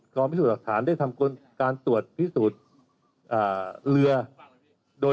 กรมพิศูดหลักฐานได้ทำการตรวจพิศูดอ่าเหลือโดย